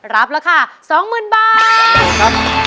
รับราคาสองหมื่นบาท